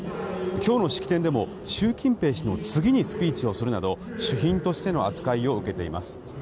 今日の式典でも習近平氏の次にスピーチをするなど主賓としての扱いを受けています。